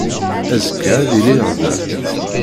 Azekka ad iliɣ da.